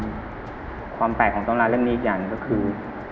แต่ความแปลกของตำราเร่มนี้อีกอย่างก็คือ